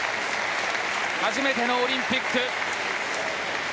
初めてのオリンピック。